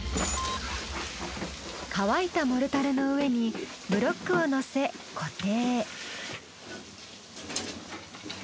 乾いたモルタルの上にブロックをのせ固定。